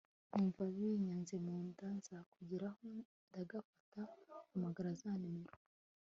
nkumva binyanze munda nza kugeraho ndagafata mpamagara za nimero